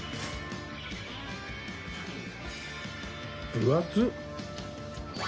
分厚っ！